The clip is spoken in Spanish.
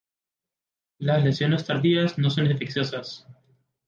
Las lesiones tardías no son infecciosas.